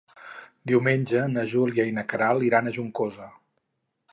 Diumenge na Júlia i na Queralt iran a Juncosa.